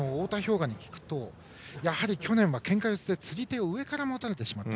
雅に聞くと去年は、けんか四つで釣り手を上から持たれてしまった。